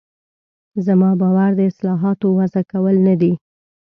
زما باور د اصطلاحاتو وضع کول نه دي.